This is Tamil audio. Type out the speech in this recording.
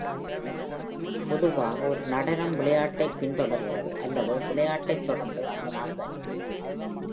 பொதுவாக ஒரு நடனம் விளையாட்டைப் பின்தொடர்கிறது அல்லது விளையாட்டைத் தொடர்ந்து அந்த நாள் வரும்.